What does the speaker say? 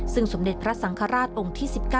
ซึ่งสมเด็จพระสังฆราชองค์ที่๑๙